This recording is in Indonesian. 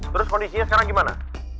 terus kondisinya sekarang gimana